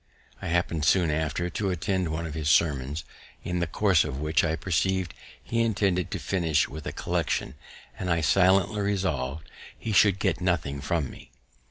I happened soon after to attend one of his sermons, in the course of which I perceived he intended to finish with a collection, and I silently resolved he should get nothing from me.